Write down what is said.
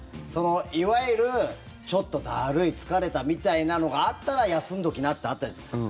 いわゆる、ちょっとだるい疲れたみたいなのがあったら休んどきなってあったんです。